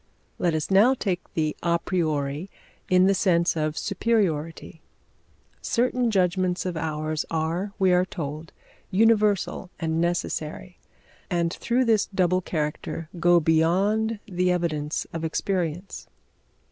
Let us now take the a priori in the sense of superiority. Certain judgments of ours are, we are told, universal and necessary, and through this double character go beyond the evidence of experience.